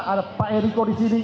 ada pak eriko di sini